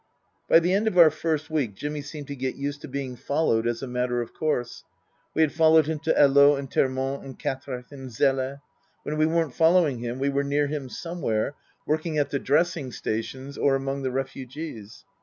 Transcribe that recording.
By the end of our first week Jimmy seemed to get used to being followed as a matter of course. We had followed him to Alost and Termonde and Quatrecht and Zele. When we weren't following him we were near him somewhere, working at the dressing stations or among the refugees.